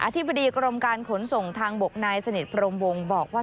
ธิบดีกรมการขนส่งทางบกนายสนิทพรมวงบอกว่า